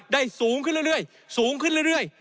สูงขึ้นเรื่อยสูงขึ้นเรื่อย